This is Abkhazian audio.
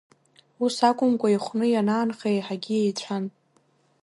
Ус акәымкәа ихәны ианаанха еиҳагьы еицәан.